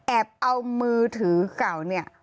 เอามือถือเก่าเนี่ย